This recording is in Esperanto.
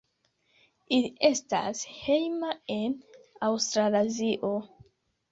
Ili estas hejma en Aŭstralazio.